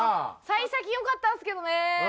幸先良かったんですけどね。